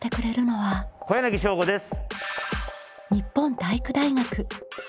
小柳将吾です。